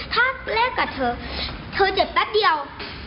ถ้าแลกกับเธอเธอเจ็บแป๊บเดียว